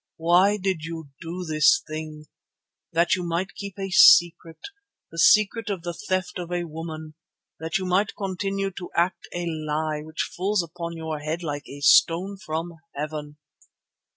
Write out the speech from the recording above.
Why did you do this thing? That you might keep a secret, the secret of the theft of a woman, that you might continue to act a lie which falls upon your head like a stone from heaven.